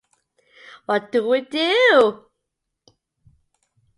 What do we do?